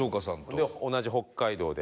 「で同じ北海道で」